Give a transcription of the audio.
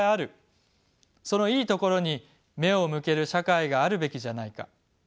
そのいいところに目を向ける社会があるべきじゃないか。